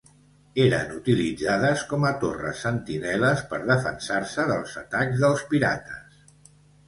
Eren utilitzades com a torres sentinelles per defensar-se dels atacs dels pirates.